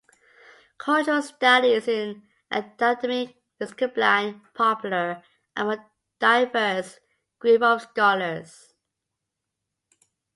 "Cultural studies" is an academic discipline popular among a diverse group of scholars.